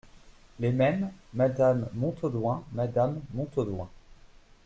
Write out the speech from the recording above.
Les Mêmes, Madame Montaudoin Madame Montaudoin.